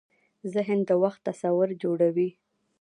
ذهن د وخت تصور جوړوي.